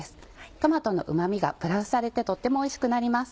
トマトのうま味がプラスされてとってもおいしくなります。